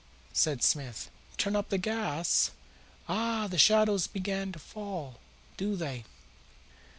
said Smith. "Turn up the gas? Ah, the shadows begin to fall, do they?